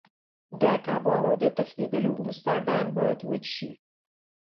د کبانو د تښتېدلو وروسته ډنډ باید وچ شي.